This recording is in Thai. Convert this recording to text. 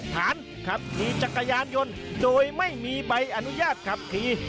ฐานขับขี่จักรยานยนต์โดยไม่มีใบอนุญาตขับขี่